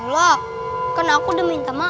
lah kan aku udah minta maaf